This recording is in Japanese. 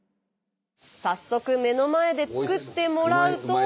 早速目の前で作ってもらうと。